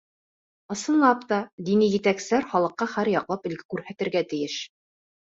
— Ысынлап та, дини етәкселәр халыҡҡа һәр яҡлап өлгө күрһәтергә тейеш.